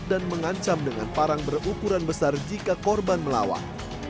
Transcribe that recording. dan mengancam dengan parang berukuran besar jika korban melawan